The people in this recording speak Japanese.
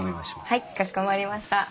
はいかしこまりました。